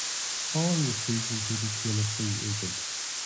Following the season, he became a free agent.